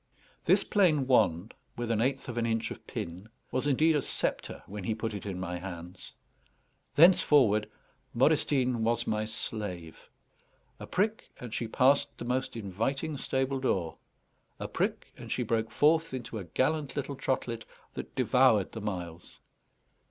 This plain wand, with an eighth of an inch of pin, was indeed a sceptre when he put it in my hands. Thenceforward Modestine was my slave. A prick, and she passed the most inviting stable door. A prick, and she broke forth into a gallant little trotlet that devoured the miles.